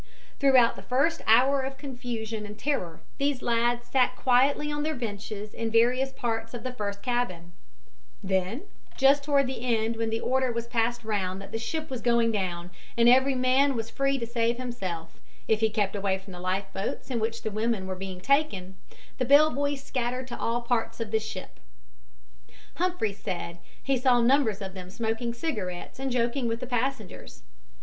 Throughout the first hour of confusion and terror these lads sat quietly on their benches in various parts of the first cabin. Then, just toward the end when the order was passed around that the ship was going down and every man was free to save himself, if he kept away from the life boats in which the women {illust. caption = "WHO HATH MEASURED THE WATERS IN THE HOLLOW OF HIS HAND." Isaiah XL:xii} were being taken, the bell boys scattered to all parts of the ship. Humphreys said he saw numbers of them smoking cigarettes and joking with the passengers.